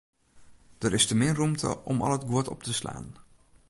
Der is te min rûmte om al it guod op te slaan.